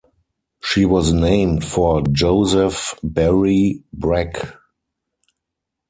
She was named for Joseph Berry Breck.